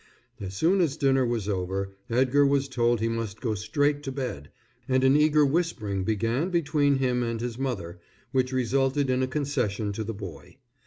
As soon as dinner was over, Edgar was told he must go straight to bed, and an eager whispering began between him and his mother, which resulted in a concession to the boy.